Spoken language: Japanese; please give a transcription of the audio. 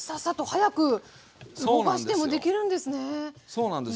そうなんです。